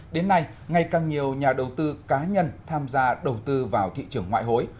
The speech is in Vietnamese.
đến nay ngày càng nhiều nhà đầu tư cá nhân tham gia đầu tư vào thị trường ngoại hối